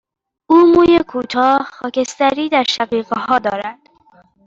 او موی کوتاه، خاکستری در شقیقه ها دارد.